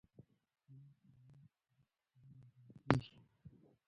سونا کې د ناستې وروسته بدن ارامه کېږي.